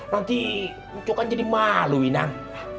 nanti ucok kan jadi malu inang